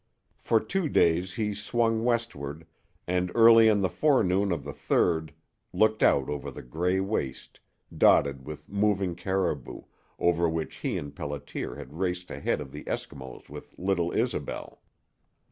For two days he swung westward, and early in the forenoon of the third looked out over the gray waste, dotted with moving caribou, over which he and Pelliter had raced ahead of the Eskimos with little Isobel.